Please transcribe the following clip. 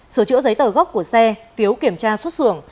sửa chữa giấy tờ gốc của xe phiếu kiểm tra xuất xưởng